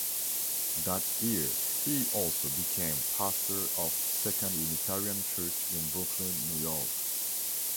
That year he also became pastor of Second Unitarian Church in Brooklyn, New York.